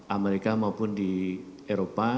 amerika maupun di eropa